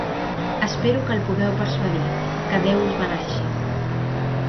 Espero que el pugueu persuadir. Que Déu us beneeixi.